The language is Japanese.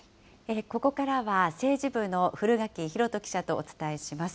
ここからは、政治部の古垣弘人記者とお伝えします。